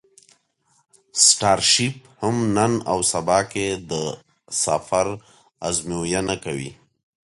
سټارشیپ هم نن او سبا کې د سفر ازموینه کوي.